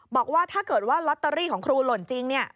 บอกว่าถ้าเกิดว่าลอตเตอรี่ของครูหล่นจริงเนี่ย